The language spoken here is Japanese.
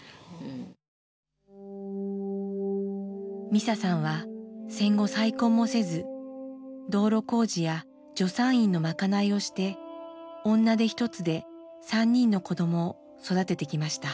ミサさんは戦後再婚もせず道路工事や助産院のまかないをして女手一つで３人の子どもを育ててきました。